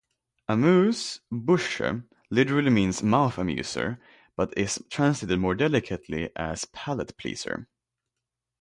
"Amuse-bouche" literally means "mouth amuser", but is translated more delicately as "palate pleaser".